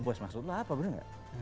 bos maksud lo apa bener gak